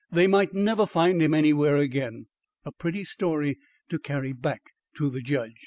They might never find him anywhere again. A pretty story to carry back to the judge.